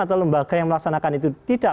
atau lembaga yang melaksanakan itu tidak